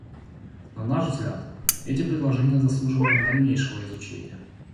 На наш взгляд, эти предложения заслуживают дальнейшего изучения.